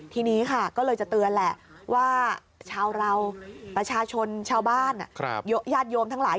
ทีนี้ค่ะก็เลยจะเตือนแหละว่าชาวเราประชาชนชาวบ้านญาติโยมทั้งหลาย